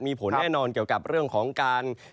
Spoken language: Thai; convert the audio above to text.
มีผลแน่นอนเกี่ยวกับเรื่องของการ